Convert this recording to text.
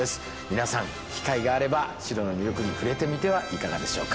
皆さん機会があれば城の魅力に触れてみてはいかがでしょうか。